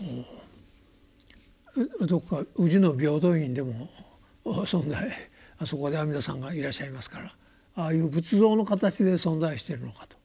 どこか宇治の平等院でも存在あそこで阿弥陀さんがいらっしゃいますからああいう仏像の形で存在してるのかと。